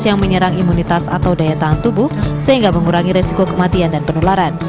yang menyerang imunitas atau daya tahan tubuh sehingga mengurangi resiko kematian dan penularan